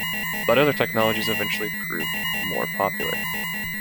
But other technologies eventually proved more popular.